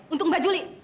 untuk mbak juli